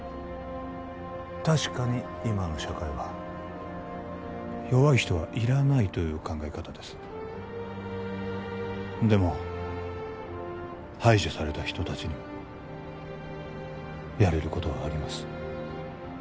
確かに今の社会は弱い人はいらないという考え方ですでも排除された人達にもやれることはあります